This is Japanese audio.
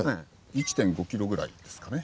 １．５キロぐらいですかね。